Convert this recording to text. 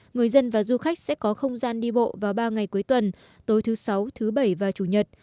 người dân và du khách sẽ có không gian đi bộ vào ba ngày cuối tuần tối thứ sáu thứ bảy và chủ nhật